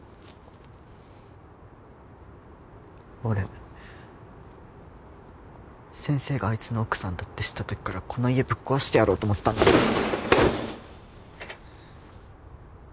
俺先生がアイツの奥さんだって知ったときからこの家ぶっ壊してやろうと思ったんです！